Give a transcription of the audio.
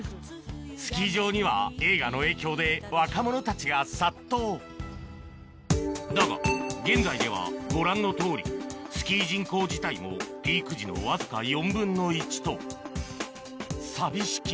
スキー場には映画の影響で若者たちが殺到だが現在ではご覧のとおりスキー人口自体もピーク時のわずか４分の１と寂しき